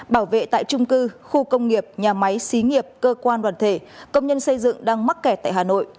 bảo vệ tại trung cư khu công nghiệp nhà máy xí nghiệp cơ quan đoàn thể công nhân xây dựng đang mắc kẹt tại hà nội